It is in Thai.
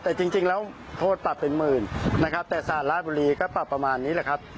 แต่จริงแล้วโทษปรับเป็นหมื่นนะครับแต่สารราชบุรีก็ปรับประมาณนี้แหละครับ